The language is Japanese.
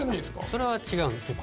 それは違うんですね。